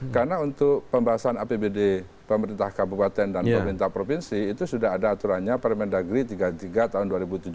karena untuk pembahasan apbd pemerintah kabupaten dan pemerintah provinsi itu sudah ada aturannya permendagri tiga puluh tiga tahun dua ribu tujuh belas